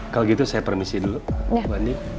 kalau gitu saya permisi dulu